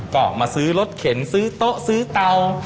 ก็มาซื้อรถเข็นซื้อโต๊ะซื้อเตา